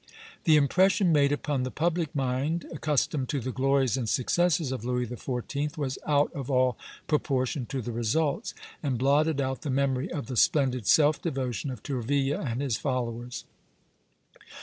The impression made upon the public mind, accustomed to the glories and successes of Louis XIV., was out of all proportion to the results, and blotted out the memory of the splendid self devotion of Tourville and his followers.